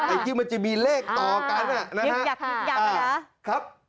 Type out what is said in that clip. ไอ้จิ๊มมันจะมีเลขต่อกันอะนะฮะ